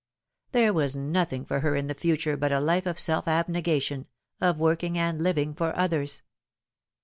There was nothing for her in the future but a life of self abnegation, of working and living for others.